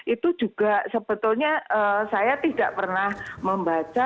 itu juga sebetulnya saya tidak pernah membaca